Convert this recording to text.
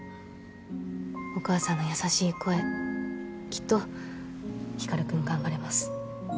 お母さんの優しい声きっと光君頑張れます。